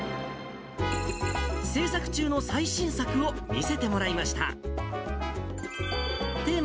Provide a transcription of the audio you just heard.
制作中の最新作を見せてもらいました。